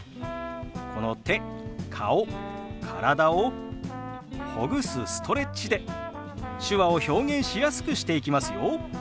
この手顔体をほぐすストレッチで手話を表現しやすくしていきますよ。